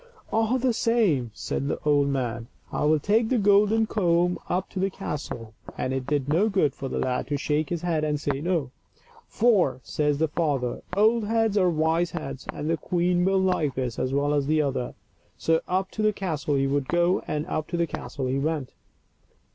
" All the same," said the old man, " I will take the golden comb up to the castle ;" and it did no good for the lad to shake his head and say no. " For," says the father, " old heads are wise heads ; and the queen will like this as well as the other." So up to the castle he would go, and up to the castle he went.